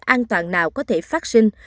an toàn nào có thể phát sinh